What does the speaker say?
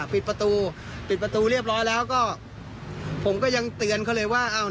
ปิดประตูปิดประตูเรียบร้อยแล้วก็ผมก็ยังเตือนเขาเลยว่า